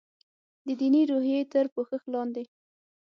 د دیني روحیې تر پوښښ لاندې.